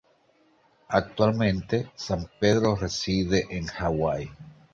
Actualmente, Sampedro reside en Hawaii.